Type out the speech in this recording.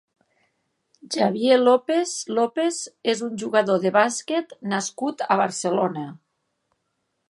Xavier López López és un jugador de bàsquet nascut a Barcelona.